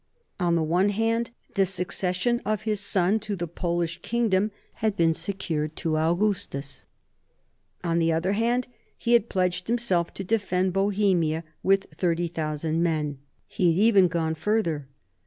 On the one hand, the succession of his son to the Polish kingdom had been secured to Augustus ; on the other hand, he had pledged himself to defend Bohemia with 30,000 men. He had even gone further.